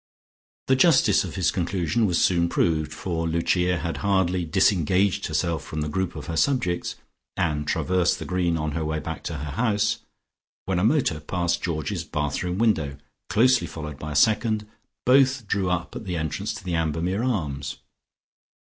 The justice of this conclusion was soon proved, for Lucia had hardly disengaged herself from the group of her subjects, and traversed the green on her way back to her house, when a motor passed Georgie's bathroom window, closely followed by a second; both drew up at the entrance to the Ambermere Arms.